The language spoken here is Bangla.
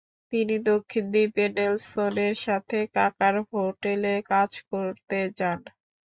তিনি দক্ষিণ দ্বীপের নেলসনের তার কাকার হোটেলে কাজ করতে যান।